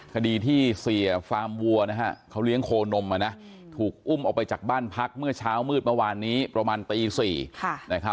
คดีที่เสียฟาร์มวัวเขาเลี้ยงโคนมถูกอุ้มออกไปจากบ้านพักเมื่อเช้ามืดเมื่อวานนี้ประมาณตี๔